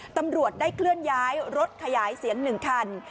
ตำรวจได้เคลื่อนย้ายรถขยายเสียง๑คัน